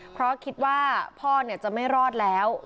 เพราะคิดว่าพ่อจะไม่รอดแล้ว